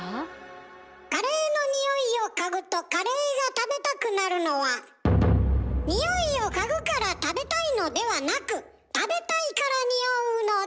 カレーの匂いを嗅ぐとカレーが食べたくなるのは匂いを嗅ぐから食べたいのではなく食べたいから匂うのだ。